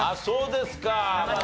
そうですか。